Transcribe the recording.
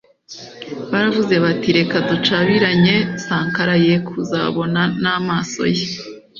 baravuze bati reka ducabiranye sankara yekuzabona n'amaso ye